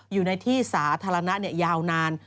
อยู่ในที่สาธารณะยาวนาน